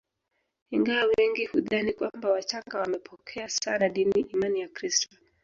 Ingawa wengi hudhani kwamba wachaga wamepokea sana dini imani ya Ukristo